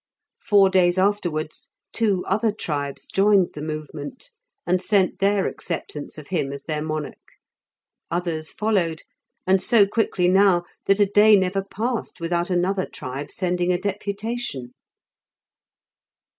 Four days afterwards two other tribes joined the movement, and sent their acceptance of him as their monarch. Others followed, and so quickly now that a day never passed without another tribe sending a deputation.